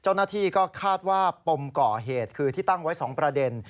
เจ้าหน้าที่ก็คาดว่าปมก่อเหตุคือที่ตั้งไว้๒ประเด็น